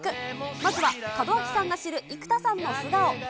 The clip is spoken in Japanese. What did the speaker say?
まずは、門脇さんが知る生田さん